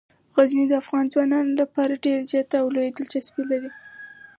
غزني د افغان ځوانانو لپاره ډیره زیاته او لویه دلچسپي لري.